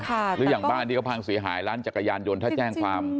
ค่ะหรืออย่างบ้านที่ก็พังสีหายร้านจักรยานโดนถ้าแจ้งความ